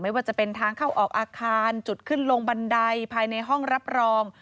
ว่าจะเป็นทางเข้าออกอาคารจุดขึ้นลงบันไดภายในห้องรับรอง